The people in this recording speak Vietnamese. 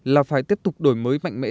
là phải tiếp tục đổi mới mạnh mẽ